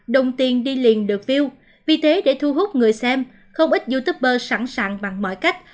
đồng tiền đi liền được view vì thế để thu hút người xem không ít youtuber sẵn sàng bằng mọi cách